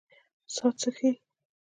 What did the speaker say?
ساعت څه ښيي؟